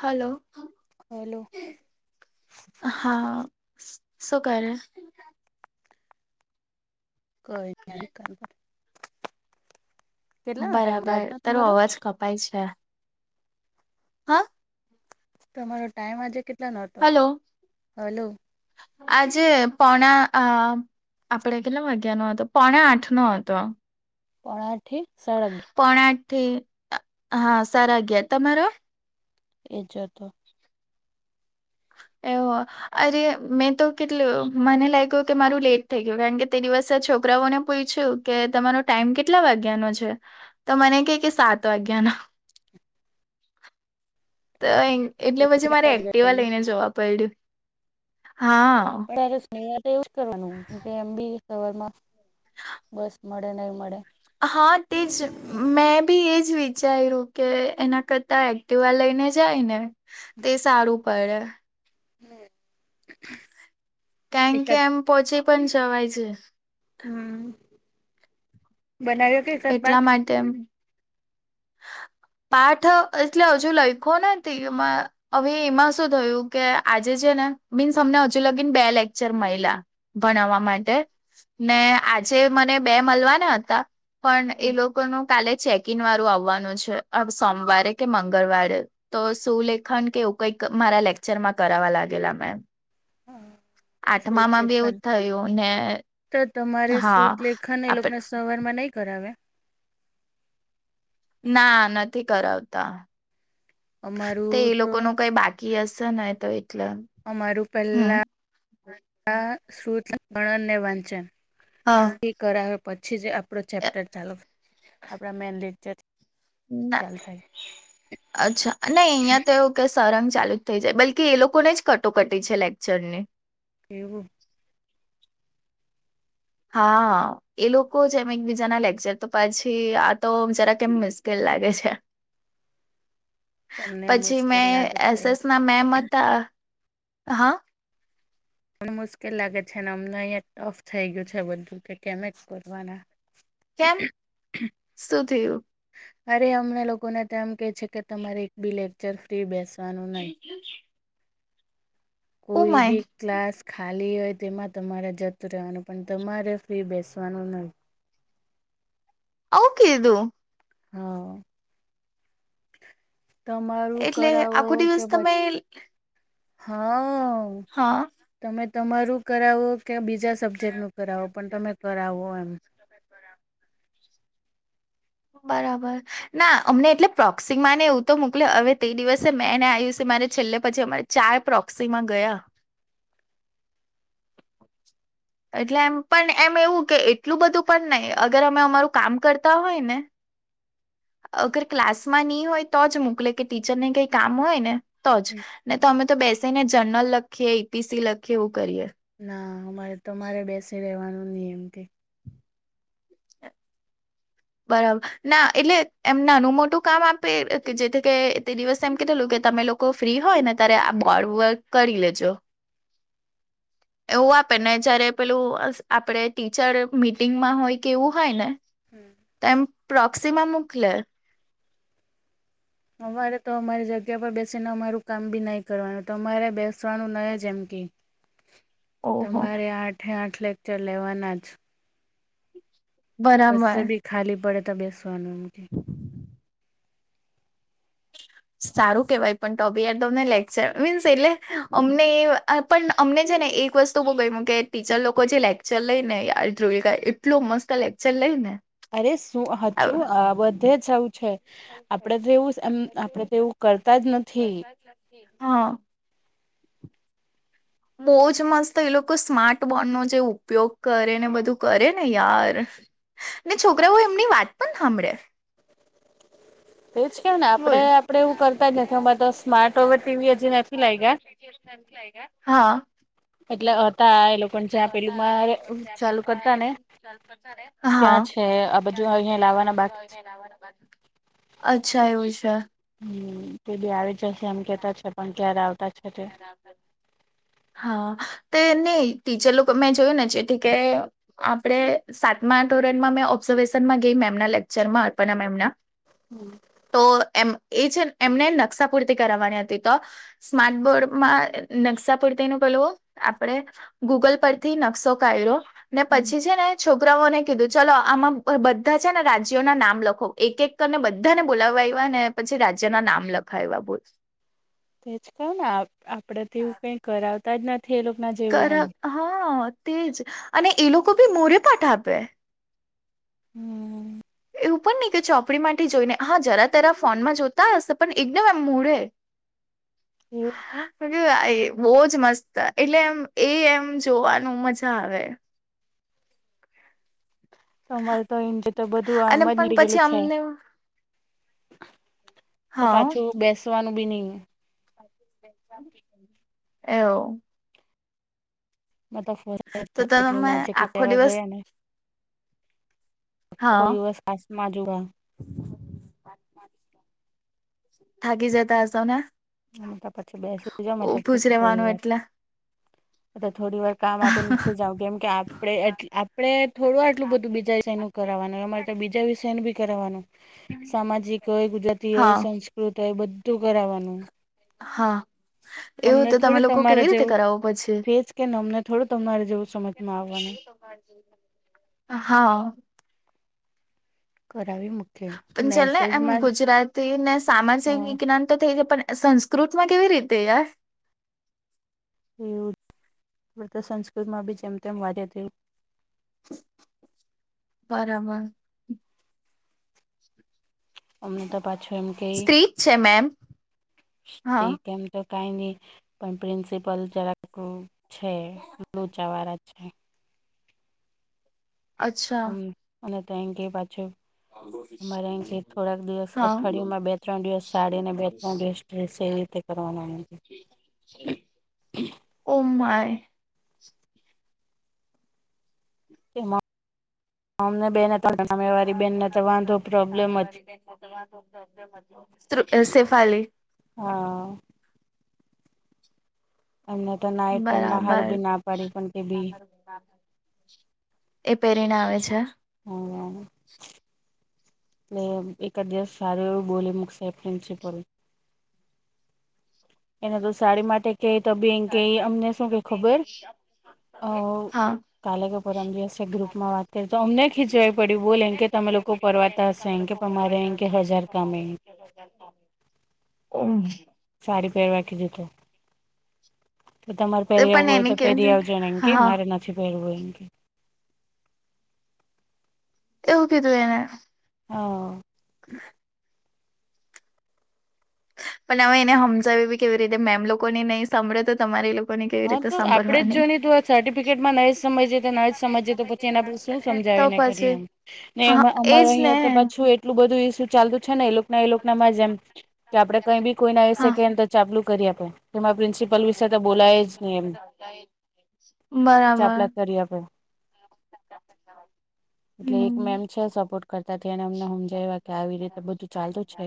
Hello hello હા શું કરે? કાઈ નઈ કરતી. ટાઈમ બરાબર આજનો તારું તમારો અવાજ કપાય છે. હા તમારો ટાઈમ આજે કેટલા નહો હતો હલો હલો? આજે પોણા અ આપડે કેટલા વાગ્યા નો હતો પોણે આઠ નો હતો. પોણા આઠી સળગ પોણા આઠ થી હા સારા અગયાર. તમારો? એ જ હતો. એવું અરે મેં તો કેટલું મને લાગ્યું કે મારું લેટ થઈ ગયું કારણ કે તે દિવસે છોકરાઓને પૂછ્યું? કે તમારો ટાઈમ કેટલા વાગ્યાનો છે? તો મને કે કે સાત વાગ્યાનો. એટલે પછી મારે એક્ટિવા પણ લઈને જોવા પડ્યું હા. સ તો એવું જ કરવાનુંમ કે એમ બી સવારમાં બસ મળે નહી મળે? હા તે જ મેં બી એજ વિચાર્યું કે એના કરતા એક્ટિવા લઈને જાય ને? તે સારું પડે. હમ કારણ કે એમ પોહોંચી પણ જવાય છે. હમ બનાવ્યો કે એકાદ એટલા પાઠ માટે એમ પાઠ એટલે હજુ લખો નથી એમાં હવે એમાં શું થયું કે? આજે છે ને મીનસ મને હજુ લગીને બે લેક્ચર મળલા ભણાવવા માટે, ને આજે મને બે મળલવાના હતા. પણ એ લોકોનું કાલે ચેકિન વાળું આવવાનું છે સોમવારે કે મંગળવારે તો સુું લેખન કે એવું કઈક મારા લેક્ચર માં કરાવવા લાગેલા મેમ [inaudible] આઠમા શ્રુત માં બી લેખન એવુંજ થયું ને તો તમારે હા. શ્રોતલેેખન એ આપડ લોકોને સવાર માં નહી કરાવે? ના નથી કરાવતા [inaudible] તે એ અમારું તો લોકો ન કઈ બાકી કિયાસન તો એટલે. અમારું હમ. પહેલા શુત ગણનને વાંચન હા એ કરાવે પછી જ આપડો ચેપ્ટર ચાલુ આપડા મેન લેક્ચર ના ચાલ થાય અચ્છા નહી અહીયાં તો એવું કે સરંગ ચાલુ જ થઈ જાય બલકી એ લોકોને જ કટોકટી છે લેક્ચરની એવું હા એ લોકો જ એમ એકબીજાના લેક્ચર તો પછી આ તો જરા કેમ મિસ્કેલ લાગે છે. તમને પછી મુશ્કેલ મેં લાગે એસ છે એસ ના મેમ હતા હા તને મુશ્કેલ લાગે છે ને અમને અહિયાં ટફ થઈ ગયું છે બધું કે કેમે ક કરવાના કેમ શું થયું અરે અમને લોકોને તો એમ કે છે કે તમારે એક બી લેક્ચર ફ્રી બેસવાનું નહી. [inaudible] ઓ કોઈ માય બી ક્લાસ ખાલી હોય તેમાં તમારે જતું રહેવાનું પણ તમારે ફ્રી બેસવાનું નય આવ કીધું હા તમારું એટલે કરાવો આખો કે દિવસ તમે પછી હા હા તમે તમારું કરાવો કે બીજા સબ્જેક્ટ નું કરાવો પણ તમે કરાવો એમ બરાબર ના અમને એટલે પ્રોક્સિમા ને એવું તો મોકલે હવે તે દિવસે મેં ને આયુષી મારે છેલ્લે પછી અમારે ચાય પ્રોક્સીમાં ગયા એટલે એમ પણ એમ એવું કે એટલું બધું પણ નહી અગર અમે અમારું કામ કરતા હોય ને અગર ક્લાસમાં નહી હોય તો જ મોકલે કે ટીચરને કઈ કામ હોય ને તો જ ને તો અમે તો બેસી ને જર્નલ લખીએ એ પીસી લખીએ એવું કરીએ. ના અમારે તમારે બેસી રહેેવાનું ની એમ કેય. બરાબર ના એટલે એમ નાનું મોટું કામ આપે જેથી કે તે દિવસે એમ કીધુંલું કે તમે લોકો ફ્રી હોય ને ત્યારે આ બોડ વર્ક કરી લેજો. એવું આપે ને જયારે પેલું આપડે ટીચર મીટિંગમાં હોય કે એવું હોય ને તો એમ પ્રોક્સિમા મોકલે. અમારે તો અમારી જગ્યા પર બેસીને અમારું કામ બી નહી કરવાનું તમારે બેસવાનું નહી જ એમ કે. [inaudible] તમારે આઠે આઠ લેક્ચર લેવાના જ. કસે બરાબર બી ખાલી પડે તો બેસવાનું એમકે. સારું કેવાય પણ તોબીયાર તો અમને લેક્ચર મીન્સ એટલે અમને પણ અમને છે ને એક વસ્તુ બહુ ગયમુ કે ટીચર લોકો જે લેક્ચર લઈ ને યાર [unintelligible] એટલો મસ્ત લેક્ચર લઈ ને. અરે શું હજુ હા બધે જ આવું છે આપડે તો એવું એમ આપણે તો એવું કરતા જ નથી. હા. [inaudible] બહુજ મસ્ત એ લોકો સ્માર્ટ બોર્ડનો જે ઉપયોગ કરે ને બધું કરે ને યાર ને છોકરાઓ એમની વાત પણ સાંભળે. એજ કેવ ને આપડે બોલ આપડે એવું કરતા જ નથી અમારે તો સ્માર્ટ ઓવેર ટીવી હજી નથી લાયગા. હા એટલે હતા એ લોકો જ્યાં પેલું મા ચાલુ કરતા ને [inaudible] ત્યાં છે આ બાજુ અહીં લાવવાના બાકી છે. [unintelligible] હમ તે બી આવી જશે એમ કેતા છે પણ ક્યારે આવતા છે તે હા તે નહી ટીચર લોકો મેં જોયું ને જેથી કે આપણે સાતમા ધોરણમાં મેં ઓબ્ઝર્વેશનમાં ગઈ મેમના લેક્ચરમાં અર્પના મેમના. હમ. તો એમ એ છે એમને નકશા પૂરતી કરાવવાની હતી. તો સ્માર્ટ બોર્ડમાં નકશા પડતી ન પેલ આપડે ગૂગલ પરથી નકશો કર્યો ને પછી છે ને છોકરાઓને કીધું ચલો આમાં બધા છે ને રાજ્યોના નામ લખો. એક-એક તને બધાને બોલાવવા આવવા ને પછી રાજ્ય ના નામ લખાવ એવા બોલ. તેજ કહ ને આપડે તો એવું કઈ કરાવતા જ નથી એ લોકો ના જેવું કર આમ. હા તેજ અને એ લોકો ભી મોરે પાઠ આપે. હમ. એવું પણ નહી કે ચોપડી માટેથી જોઈને હા જરા તરા ફોનમાં જોતા હશે પણ એકદમ આમ મોડે. [unintelligible] [unintelligible] એ બહજ મસ્ત એટલે એમ એ એમ જોવાનું મજા આવે. તમારે તો ઇંજે તો બધું અને આમ જ પણ નીરી પછી ગયેલું છે. અમને તો હા પાછું બેસવાનું બી ની. એઓ. [unintelligible] તો કેટલું તમે નજીક આખો લેવા દિવસ ગયા ને આખો હા દિવસ પાસમાં જુદાં. [unintelligible] થકી જાયતા આસ નાને? હ તો પછી બેસી જમટલે જ થોડી રેવાનું વાર એટલે એટલે થોડી વાર કામ આપેનેસે જાવ કેમ કે આપડે આપડે થોડું આટલું બધું બીજાય છે એનું કરાવનું એમાંરે તો બીજા વિષય ન ભી કરવાનું સામાજિક હોય, ગુજરાતી હોય, હા સંસ્ કૃત એ બધું કરાવવાનું. હા. એવું અમને તો તમે થોડી લોકો તમારે કેવી રીતે જેવું કરાવો પછી? ભેજ કે ને અમને થોડું તમારે જેવું સમજમાં આવવાનું હા. કરાવવી મુ પણ ચલે એમ ગુજરાતીને, સામાજિક હા વિજ્ઞાન તો થઈ જાય પણ સં સ્કૃત માં કેવી રીતે યાર? એવું આપ સંસ્કૃત માં બી જેમ તેમ વા્યા તે બરાબર. અમતા પાછું એમ કેઈ સ્ત્રી છે મેમ હા કેઈ એમ તો કઈ નહી પણ પ્રિન્સિપલ જરા [inaudible] લોચાવાળા છે. અચ્છા હ અને થંકય પાછું અરે અં થોડાક દિવસ હા અઠવાડિયમાં બે ત્રણ દિવસ સાડી ને બે ત્રણ દિવસ ડ્રેસ એવી રીતે કરવાના એમ કે. ઓ માઈ. કે અમને બેન [inaudible] [inaudible] સેફાલી. હા. અમને તો ના નાઈટ પેન્ટ હારું બરાબર. બી ના પાડી પણ તે બી એ પહેરીને આવે છે. હ [inaudible] એલે એકા દિવસ સારું એવું બોલી મગ સાહેબ પ્રિન્સિપલ એને તો સાડી માટે કે ત બેિન કે અમને શું કે ખબર અ હા કાલે કે પરમ દિવશે ગ્રુપમાં વાત કરી તો અમને ખીચવાવી પડી્યું બોલેમ કે તમે લોકો બોલે પરવાતા કે હશે તમે એમ લોકો મારે એમ ફરવા કે હજાર કામ એમ [inaudible] હમ સાડી પહેરવા કેધું તું. તો તમારે એ પહેરી પણ આવવું હોય એને તો કે પહેરી છે આવજો ને એમકે હા મારે નથી પહેરવું હોય એમકે. એવું કીધું એને હા પણ હવે એને સમજાવી બી કેવી રીતે મેમ લોકો ને નહીં સાંભળે તો તમારી લોકોને કેવી હા રીતે તો આપડે જ સાંભળવાની જોઈ ન તું આ સર્ટિફિકેટમાં ન જ સમજી જે તો ન જ સમજ જે તો જેના પરડ શું તો સમજાવી ને કરીએ? પછી એમ ને હા અમારે એજ ને અહીંયા તો પાછું એટલું બધું ઇસ્યુ ચાલતું છે ને એલોક ના એલોક નામાં જ એમ કે આપણે કંઈ બી કોઈને વીષે હા કીયે. ચાપલું કરી આપે તે પ્રિન્સિપલ વિશે બોલાય નહી એમ બરાબર! ચાપલા કરી આપે એટલે એક હમ મેમ છે. સપોર્ટ કરતા તેને અમને સમજાયવા કે આવી રીતે બધું ચાલતું છે.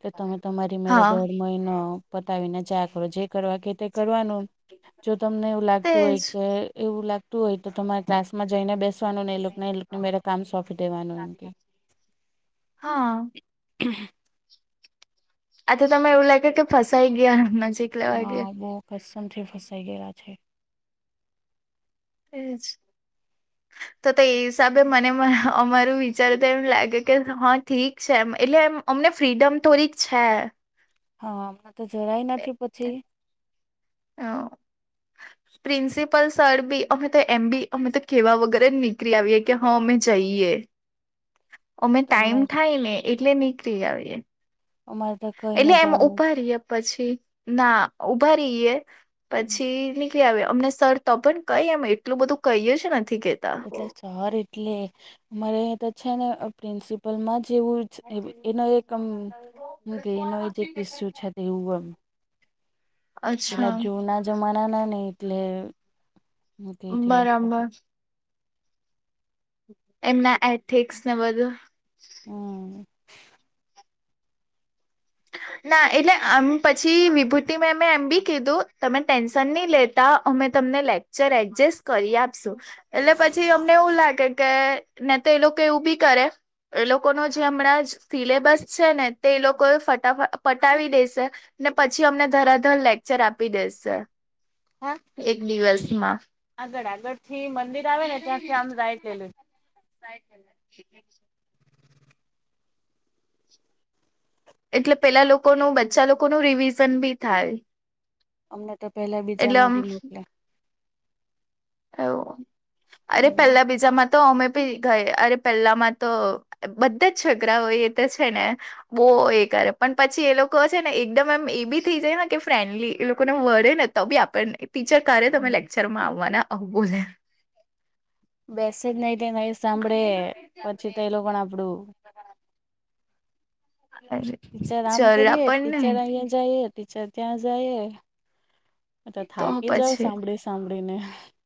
તો તમે તમારી મેરા હા દોઢ મહિનો પતાવીને ચા [inaudible] કરો. જે કરવા કે તે કરવાનું. જો તમને એવું લાગતું હોય તેજ કે, એવું લાગતું હોય તો, તમારે ક્લાસ માં જઈને બેસ એને એને મેરા કામ સોંપી દેવાનું. હા હા. આ તો તમે એવું લાગ્યું કે, ફસાઈ ગયા નજીક લેવા હા! ગયા બહુ કસમથી ફસાઈ ગયેલા છે. એ જ. તો તો એ હિસાબે મને અમારું વિચાર તો એમ લાગે કે, હા ઠીક છે એમ. એટલે એમ અમને ફ્રીડમ તોડીક છે. હા! હમણા તો જરાય નથી પછી. હા! પ્રિન્સિપલ સર બી, અમે તો એમ બી અમે તો કહેવા વગેરે જ નીકળી આવીએ કે. હા અમે જઈએ. અમે ટાઈમ તમને થાય ને, એટલે નીકળી આવએ. અમારે તો કઈને જવાનું. રહીએ પછી ના ઉભા રહીએ. પછી નીકળી આવે અમને સર તો પણ કઈ અ એટલું બધું કહીએ જ નથી કેતા. એટલે સર એટલે અમારે તો છે ને પ્રિન્સિપલમાં જ એવું એનો એક આમ કે એનો એક ઇસ્સુ છે એવું એમ. પેલા અચ્છા જૂના જમાના ના ને એટલે હવું. બરાબર [unintelligible] એમના એથિક્સને બધું હમ! ના એટલે આમ પછી, વિભૂતિ મે મેં એમ બી કીધું તમે ટેન્શન નહી લે અમે તમને લેક્ચર એડજસ્ટ કરી આપશું. એટલે પછી અમને એવું લાગે કે ને તો એ લોકો એવું બી કરે એ લોકો ન જે હમણાં, સિલેબસ છે ને, તે એ લોકો ફટ પટાવી દેશે ને. પછી અમને તરત જ લેક્ચર આપી દેશે. હા! એક દિવસમાં આગળ આગળથી મંદિર આવે ને, ત્યાંથી આમ રાઇટ લઈ લેજો. [inaudible] એટલે પેલા લોકોનું, બચા લોકોનું રિવિઝન બી થાય. અમને તો પેલા એટલે બીજામાં આમ બી નીકલા એવું અરે હમ પેલા બીજામાં તો અમેબી અરે પેલામાં તો, બધા જ છગડાઓ એ તો છે ને બહુ એ કરે. પણ પછી એ લોકો છે ને, એકદમ એમ એ બી થઈ જાય ને કે ફ્રેન્ડલી એ લોકોને વરેને તો બી આપને ટીચર ક્યારે તમે લેક્ચરમાં આવવાના આવુ બોલે. બેસે જ નહી નઈ સાંભળે. પછી તો એ લોકો આપડું [unintelligible] ટીચર આમ જરા કરીએ, પણ ટીચર નહી અહીંયા જઈએ, ટીચર ત્યાં જઈએ, મે તો થાકી જાાવ સાંભળી સાંભળીને.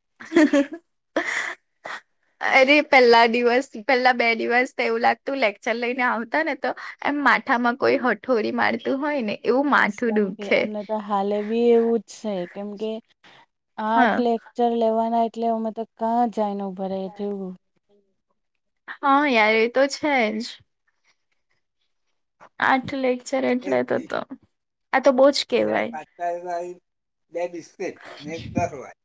[inaudible] અરે પેલા દિવસ પેલા બે દિવસ તો એવું લાગતું, લેક્ચર લઈને આવતા ને તો એમ માથામાં કોઈ હઠોરી મારતું હોય ને, એવું બસ માથું દુખે. અમને તો હાલે બી એવું જ છે, કેમકે આઠ હા લેક્ચર લેવાના એટલે અમે તો કા જાનું પડે તેવું હ યાર એ તો છે જ. આઠ લેકચર એક એટલે તો તો આ તો બો જ કેહેવાય [unintelligible]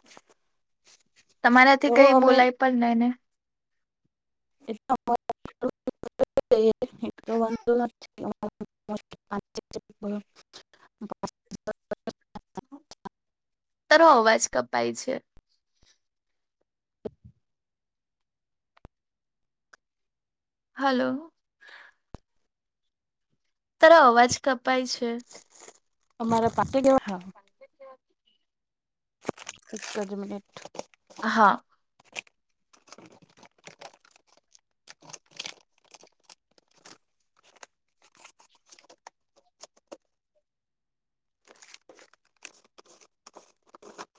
[inaudible] તો તમારાથી કઈ અમે બોલાય પણ નય ને [inaudible] [unintelligible] તારો અવાજ કપાય છે. હલો તારો અવાજ કપાય છે. અમારે [unintelligible] એક જ મિનિટ હા